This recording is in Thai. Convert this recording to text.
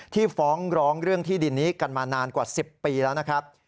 ฟ้องร้องเรื่องที่ดินนี้กันมานานกว่า๑๐ปีแล้วนะครับ